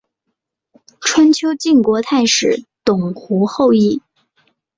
春秋晋国太史董狐后裔。